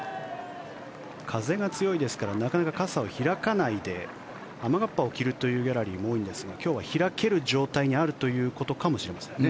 風が強いですからなかなか傘を開かないで雨がっぱを着るというギャラリーも多いんですが今日は開ける状態にあるということかもしれませんね